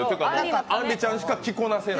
あんりちゃんしか着こなせない。